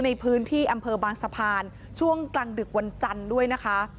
ในพื้นที่อำเภอบางสะพานช่วงกลางดึกวันจันทร์ด้วยนะคะ